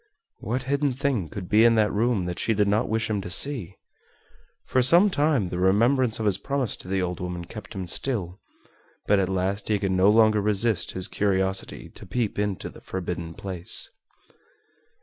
What hidden thing could be in that room that she did not wish him to see? For some time the remembrance of his promise to the old woman kept him still, but at last he could no longer resist his curiosity to peep into the forbidden place.